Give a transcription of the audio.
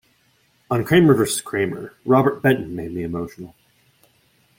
On "Kramer versus Kramer", Robert Benton made me emotional.